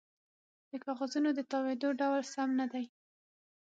د کاغذونو د تاویدو ډول سم نه دی